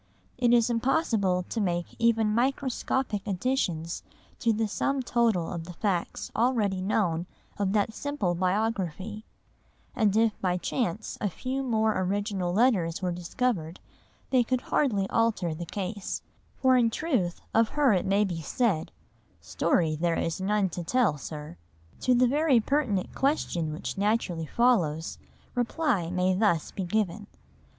It is impossible to make even microscopic additions to the sum total of the facts already known of that simple biography, and if by chance a few more original letters were discovered they could hardly alter the case, for in truth of her it may be said, "Story there is none to tell, sir." To the very pertinent question which naturally follows, reply may thus be given.